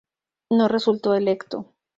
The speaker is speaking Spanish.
No resultó electo.